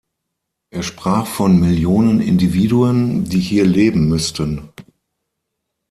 Er sprach von Millionen Individuen, die hier leben müssten.